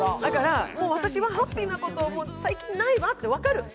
だから、私はハッピーなこと最近ないわって、分かる。